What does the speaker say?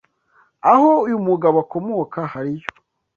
aho uyu mugabo akomoka hariyo